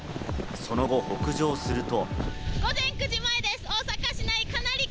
その後、北上すると。